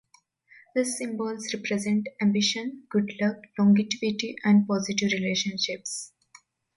These symbols represent ambition, good luck, longetivity and positive relationships.